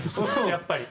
やっぱり。